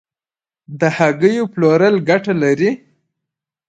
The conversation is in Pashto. د هګیو پلورل ګټه لري؟